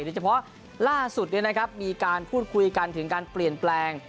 โดยเฉพาะล่าสุดมีการพูดคุยกันถึงการเปลี่ยนแปลง